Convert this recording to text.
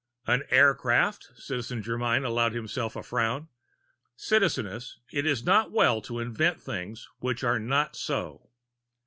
"An aircraft!" Citizen Germyn allowed himself a frown. "Citizeness, it is not well to invent things which are not so."